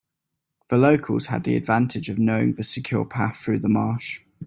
The locals had the advantage of knowing the secure path through the marsh.